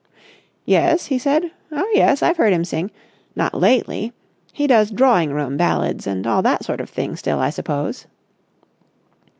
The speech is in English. "Yes?" he said. "Oh yes, I've heard him sing. Not lately. He does drawing room ballads and all that sort of thing still, I suppose?"